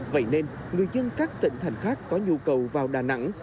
vậy nên người dân các tỉnh thành khác có nhu cầu vào đà nẵng